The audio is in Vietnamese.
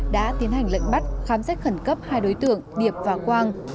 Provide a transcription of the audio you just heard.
đã tiến hành lệnh bắt khám xét khẩn cấp hai đối tượng điệp và quang